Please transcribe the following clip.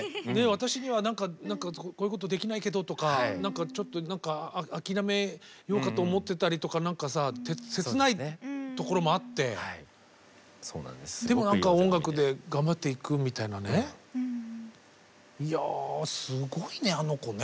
私にはこういうことできないけどとかちょっと何か諦めようかと思ってたりとか何かさ切ないところもあってでも何か音楽で頑張っていくみたいなねいやすごいねあの子ね。